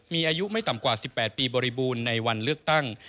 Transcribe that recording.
มีอายุไม่ต่ำกว่า๑๘ปีบริบูรณ์ในวันเลือกตั้ง